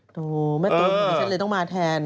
โอ้โฮแม่ตุ่มฉันเลยต้องมาแทน